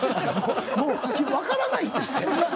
もう分からないんですって。